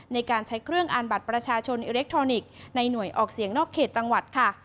ในการใช้เครื่องอ่านบัตรประชาชนอิเล็กทรอนิกส์ในหน่วยออกเสียงนอกเขตจังหวัดค่ะ